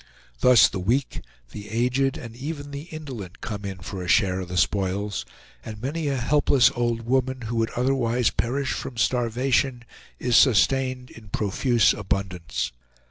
Thus, the weak, the aged, and even the indolent come in for a share of the spoils, and many a helpless old woman, who would otherwise perish from starvation, is sustained in profuse abundance.